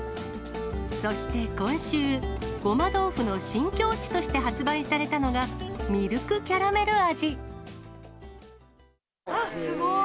そして、今週、ごま豆腐の新境地として発売されたのが、あっ、すごーい。